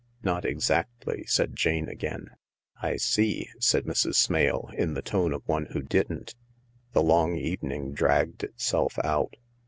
" "Not exactly," said Jane again. " I see," said Mrs. Smale, in the tone of one who didn't. The long evening dragged itself out.